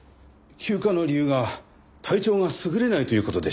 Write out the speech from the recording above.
休暇の理由が体調が優れないという事でしたので。